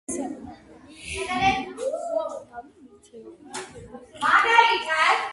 ბულგარეთი იძულებული გახდა ზავი ეთხოვა.